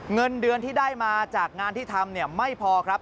เงินเดือนที่ได้มาจากงานที่ทำไม่พอครับ